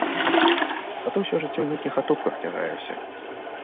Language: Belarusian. А то ўсё жыццё ў нейкіх атопках цягаюся!